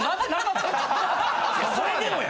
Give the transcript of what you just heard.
それでもや！